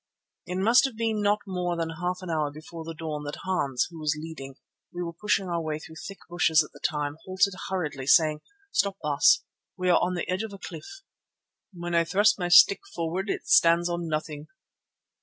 It must have been not more than half an hour before the dawn that Hans, who was leading—we were pushing our way through thick bushes at the time—halted hurriedly, saying: "Stop, Baas, we are on the edge of a cliff. When I thrust my stick forward it stands on nothing."